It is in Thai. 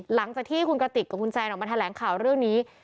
หลังจากที่คุณกติกกับคุณแซนออกมาแถลงข่าวเรื่องนี้